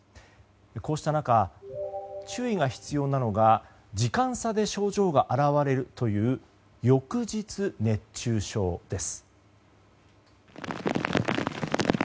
こうした中、注意が必要なのが時間差で症状が現れるという翌日熱中症です。